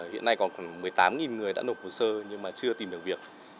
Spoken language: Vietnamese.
hiện nay còn khoảng một mươi tám người đã nộp hồ sơ nhưng mà chưa tìm được việc